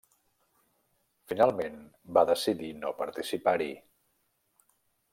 Finalment, va decidir no participar-hi.